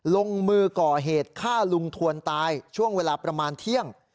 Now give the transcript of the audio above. ลงมือก่อเหตุฆ่าลุงทวนตายช่วงเวลาประมาณเที่ยง